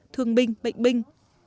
thương binh bệnh binh